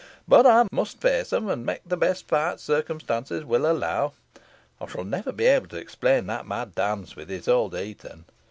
But I must face them, and make the best fight circumstances will allow. I shall never be able to explain that mad dance with Isole de Heton.